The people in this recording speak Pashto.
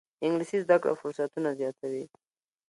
انګلیسي زده کړه فرصتونه زیاتوي